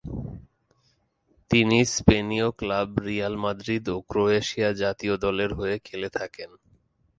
তিনি স্পেনীয় club Real Madrid ও ক্রোয়েশিয়া জাতীয় দলের হয়ে খেলে থাকেন।